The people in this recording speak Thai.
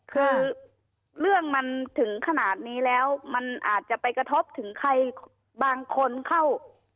คือเรื่องมันถึงขนาดนี้แล้วมันอาจจะไปกระทบถึงใครบางคนเข้า